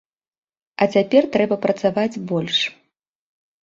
А цяпер трэба працаваць больш.